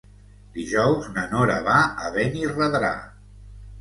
Dijous na Nora va a Benirredrà.